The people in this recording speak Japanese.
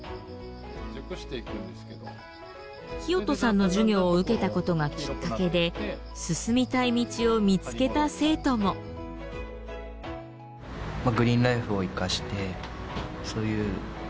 聖人さんの授業を受けたことがきっかけで進みたい道を見つけた生徒も。といいます。